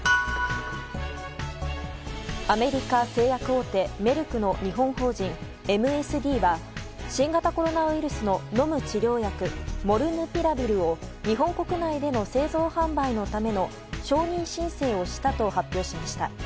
アメリカ製薬大手メルクの日本法人ＭＳＤは新型コロナウイルスの飲む治療薬モルヌピラビルを日本国内での製造・販売のための承認申請をしたと発表しました。